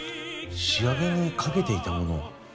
仕上げにかけていたものは？